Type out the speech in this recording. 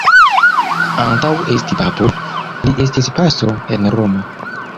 Antaŭ esti papo, li estis pastro en Romo.